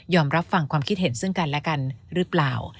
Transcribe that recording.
รับฟังความคิดเห็นซึ่งกันและกันหรือเปล่า